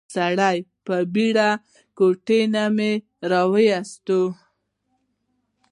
سړی په بېړه ګوتمی راويستلې.